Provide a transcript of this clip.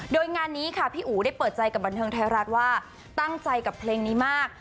โดยงานนี้ค่ะพี่อู๋ได้เปิดใจกับบันเทิงไทยรัฐว่าตั้งใจกับเพลงนี้มาก